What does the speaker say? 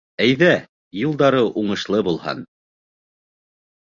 Әйҙә, юлдары уңышлы булһын!